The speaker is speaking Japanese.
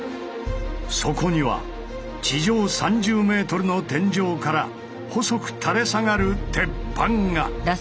そこには地上３０ｍの天井から細く垂れ下がる鉄板が。